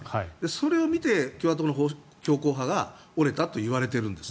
それを見て共和党の強硬派が折れたといわれているんです。